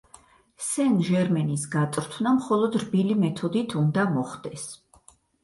სენ-ჟერმენის გაწვრთნა მხოლოდ რბილი მეთოდით უნდა მოხდეს.